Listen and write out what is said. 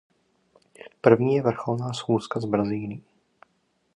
První je vrcholná schůzka s Brazílií.